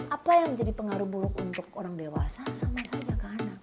apa yang menjadi pengaruh buruk untuk orang dewasa sama saja ke anak